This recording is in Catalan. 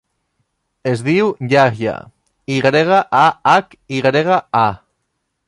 Es diu Yahya: i grega, a, hac, i grega, a.